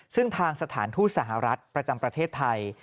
ซึ่งทางสถานทูตสหรัฐประจำประเทศไทย